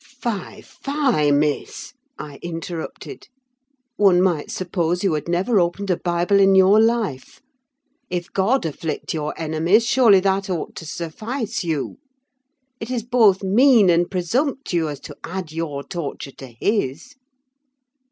"Fie, fie, Miss!" I interrupted. "One might suppose you had never opened a Bible in your life. If God afflict your enemies, surely that ought to suffice you. It is both mean and presumptuous to add your torture to his!"